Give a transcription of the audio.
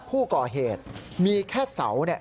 เล่าว่าเธอตกใจเหมือนกันกับเสียงปืนที่ดังต่อเนื่อง